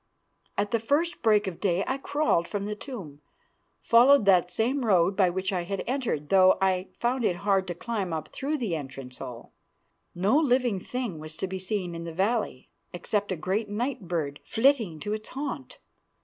"At the first break of day I crawled from the tomb, followed that same road by which I had entered, though I found it hard to climb up through the entrance hole. "No living thing was to be seen in the valley, except a great night bird flitting to its haunt.